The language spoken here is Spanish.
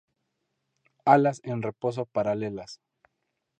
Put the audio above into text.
Alas en reposo paralelas.